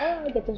oh udah terus